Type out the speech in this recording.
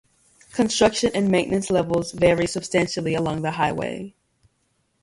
Construction and maintenance levels vary substantially along the highway.